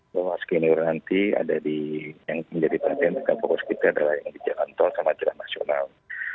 bahwa skenario nanti yang menjadi perhatian kita fokus kita adalah yang di jalan tol sama jalan nasional